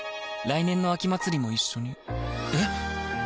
来年の秋祭も一緒にえ